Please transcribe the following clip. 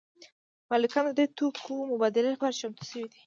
مالکان د دې توکو مبادلې لپاره چمتو شوي دي